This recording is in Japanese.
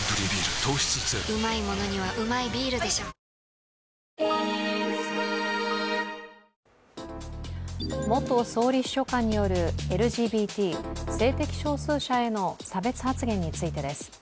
糖質ゼロ元総理秘書官によるＬＧＢＴ＝性的少数者への差別発言についてです。